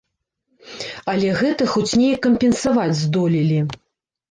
Але гэта хоць неяк кампенсаваць здолелі.